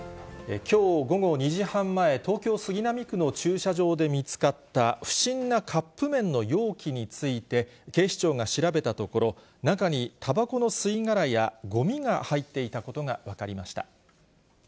きょう午後２時半前、東京・杉並区の駐車場で見つかった不審なカップ麺の容器について、警視庁が調べたところ、中にたばこの吸い殻やごみが入っていたことが分かりました。